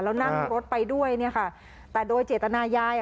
แล้วนั่งรถไปด้วยเนี่ยค่ะแต่โดยเจตนายายอ่ะ